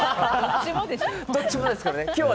どっちもですけどね。